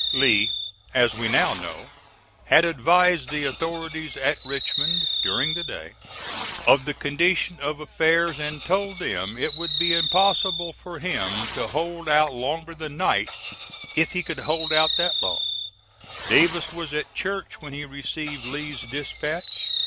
Lee, as we now know, had advised the authorities at Richmond, during the day, of the condition of affairs, and told them it would be impossible for him to hold out longer than night, if he could hold out that long. Davis was at church when he received Lee's dispatch.